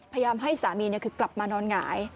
พยายามให้สามีคือกลับมานอนหงาย